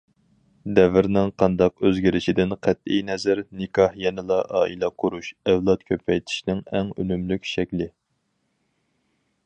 دەۋرنىڭ قانداق ئۆزگىرىشىدىن قەتئىينەزەر، نىكاھ يەنىلا ئائىلە قۇرۇش، ئەۋلاد كۆپەيتىشنىڭ ئەڭ ئۈنۈملۈك شەكلى.